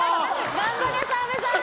頑張れ、澤部さん！